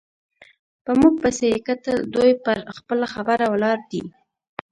په موږ پسې یې کتل، دوی پر خپله خبره ولاړې دي.